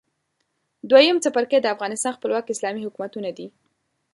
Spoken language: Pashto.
دویم څپرکی د افغانستان خپلواک اسلامي حکومتونه دي.